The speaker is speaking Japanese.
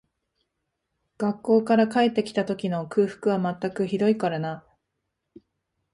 学校から帰って来た時の空腹は全くひどいからな